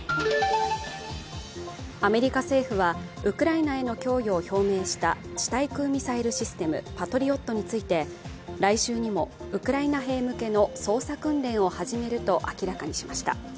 アメリカ政府はウクライナへの供与を表明した地対空ミサイルシステム、パトリオットについて、来週にもウクライナ兵向けの操作訓練を始めると明らかにしました。